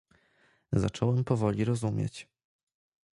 "„Zacząłem powoli rozumieć."